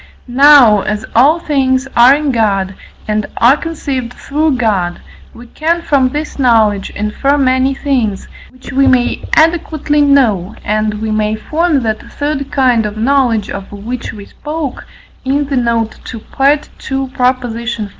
Now as all things are in God, and are conceived through God, we can from this knowledge infer many things, which we may adequately know, and we may form that third kind of knowledge of which we spoke in the note to II. xl.